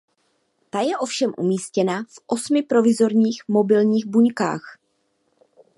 Ta je ovšem umístěna v osmi provizorních mobilních buňkách.